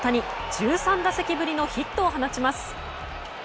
１３打席ぶりのヒットを放ちます。